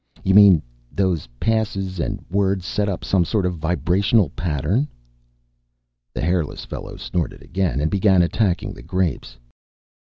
"You mean those passes and words set up some sort of vibrational pattern...." The hairless fellow snorted again, and began attacking the grapes.